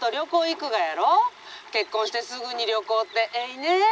結婚してすぐに旅行ってえいね」。